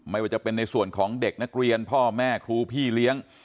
ไม่ว่าจะเป็นในส่วนของเด็กนักเรียนพ่อแม่ครูพี่เลี้ยง